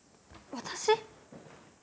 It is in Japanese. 私？